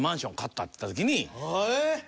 えっ！？